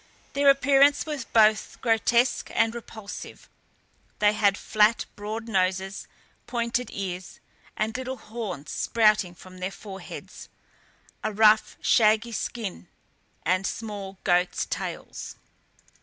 Their appearance was both grotesque and repulsive; they had flat broad noses, pointed ears, and little horns sprouting from their foreheads, a rough shaggy skin, and small goat's tails.